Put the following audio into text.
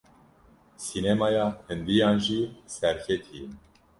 Sînemaya Hindiyan jî serketî ye.